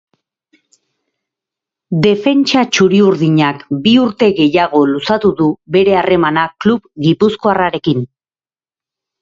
Defentsa txuri-urdinak bi urte gehiago luzatu du bere harremana klub gipuzkoarrarekin.